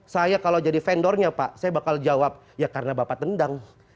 saya kalau jadi vendornya pak saya bakal jawab ya karena bapak tendang